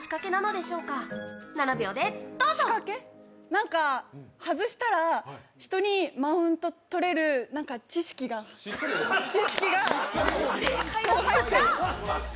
なんか、外したら人にマウントとれる知識が入ってる。